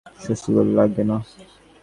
শশী বলিল, আজ্ঞে না।